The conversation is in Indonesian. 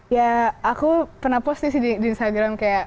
ya aku pernah post nih di instagram kayak